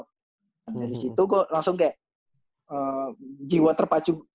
nah dari situ gue langsung kayak jiwa terpacu